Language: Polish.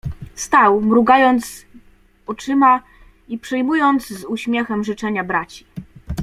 "Stał mrugając oczyma i przyjmując z uśmiechem życzenia braci."